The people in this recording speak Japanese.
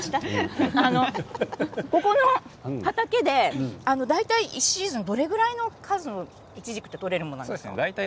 ここの畑で大体１シーズンどれぐらいの数のイチジクが取れるんですか。